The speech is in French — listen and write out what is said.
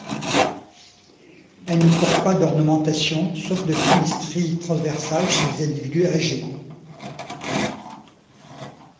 Elles ne portent pas d'ornementation, sauf de fines stries transversales chez les individus âgés.